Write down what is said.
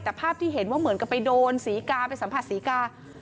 แต่ภาพที่เห็นว่าเหมือนกับไปโดนศรีกาไปสัมผัสศรีกา